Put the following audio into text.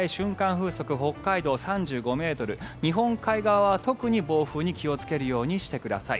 風速北海道、３５ｍ日本海側は特に暴風に気をつけるようにしてください。